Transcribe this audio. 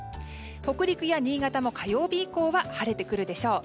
北陸や新潟も火曜日以降は晴れてくるでしょう。